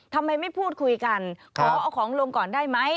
ทำไมไม่พูดคุยกันขอเอาของลงก่อนได้ไหม